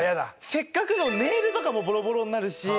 せっかくのネイルとかもボロボロになるし。